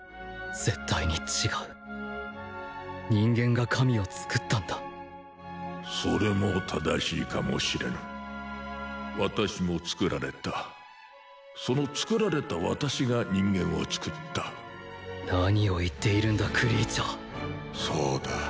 絶対に違う人間が神をつくったんだそれも正しいかもしれぬ私もつくられたそのつくられた私が人間をつくった何を言っているんだクリーチャーそうだ